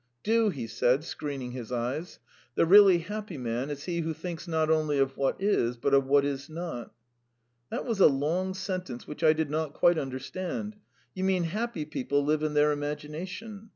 "Do," he said, screening his eyes. "The really happy man is he who thinks not only of what is, but of what is not." "That was a long sentence which I did not quite understand. You mean happy people live in their imagination.